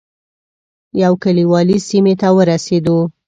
یو کلیوالي سیمې ته ورسېدو.